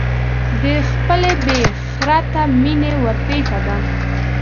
د خپلې بې خرته مینې ورپېښه ده.